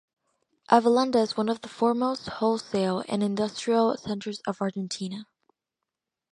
Avellaneda is one of the foremost wholesale and industrial centers of Argentina.